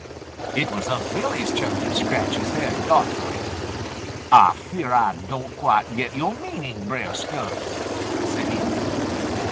It was Unc' Billy's turn to scratch his head thoughtfully. "Ah fear Ah don't quite get your meaning, Brer Skunk," said he.